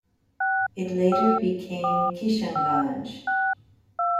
It later became Kishanganj.